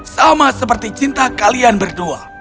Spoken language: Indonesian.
sama seperti cinta kalian berdua